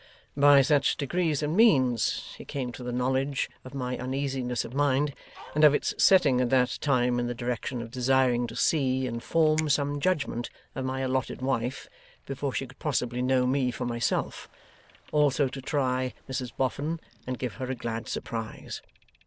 By such degrees and means, he came to the knowledge of my uneasiness of mind, and of its setting at that time in the direction of desiring to see and form some judgment of my allotted wife, before she could possibly know me for myself; also to try Mrs Boffin and give her a glad surprise.